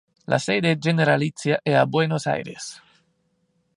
La sede generalizia è a Buenos Aires.